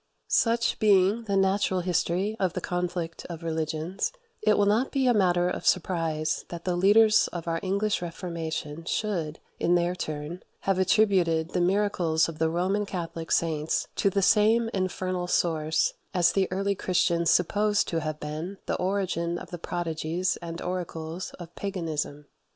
29. Such being the natural history of the conflict of religions, it will not be a matter of surprise that the leaders of our English Reformation should, in their turn, have attributed the miracles of the Roman Catholic saints to the same infernal source as the early Christians supposed to have been the origin of the prodigies and oracles of paganism.